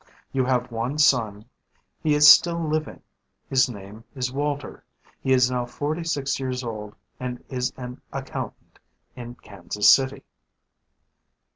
You have one son. He is still living; his name is Walter; he is now forty six years old and is an accountant in Kansas City."